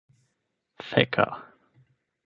feka